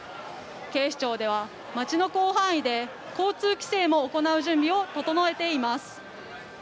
警視庁では、街の広範囲で交通規制も行う準備を整えています。